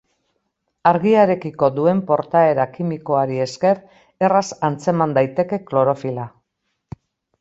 Argiarekiko duen portaera kimikoari esker erraz antzeman daiteke klorofila.